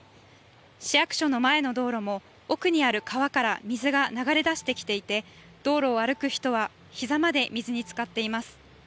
市役所の前の道路も奥にある川から水が流れ出してきていて道路を歩く人はひざまで水につかっています。